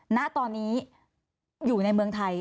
ณตอนนี้อยู่ในเมืองไทย